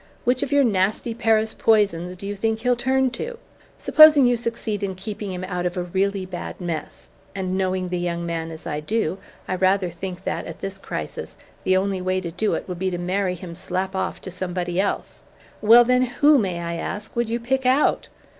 Which of your nasty Paris poisons do you think he'll turn to? Supposing you succeed in keeping him out of a really bad mess and, knowing the young man as I do, I rather think that, at this crisis, the only way to do it would be to marry him slap off to somebody else well, then, who, may I ask, would you pick out?